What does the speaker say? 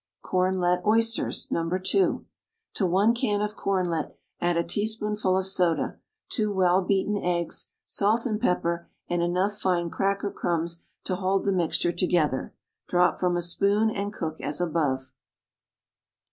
=Kornlet Oysters, No. 2.= To one can of kornlet add a teaspoonful of soda, two well beaten eggs, salt and pepper, and enough fine cracker crumbs to hold the mixture together. Drop from a spoon and cook as above.